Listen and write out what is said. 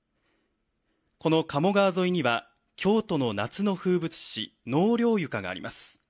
この鴨川沿いには京都の夏の風物詩、納涼床があります。